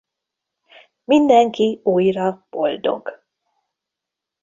Mindenki újra boldog.